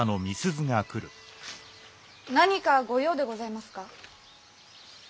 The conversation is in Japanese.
何か御用でございますか？